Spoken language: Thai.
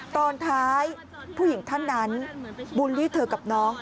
ตอนท้ายผู้หญิงท่านนั้นบูลลี่เธอกับน้อง